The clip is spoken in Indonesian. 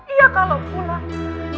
iya kalau pulang